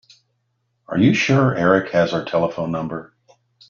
Are you sure Erik has our telephone number?